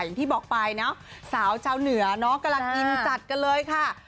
อย่างที่บอกไปเนาะสาวชาวเหนือเนาะกำลังกินจัดกันเลยค่ะ